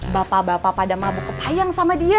bapak bapak pada mabuk kepayang sama dia